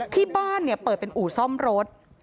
ที่บ้านเปิดเป็นอู่ซ่อมรถ